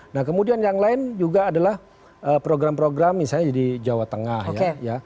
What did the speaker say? nah kemudian yang lain juga adalah program program misalnya di jawa tengah ya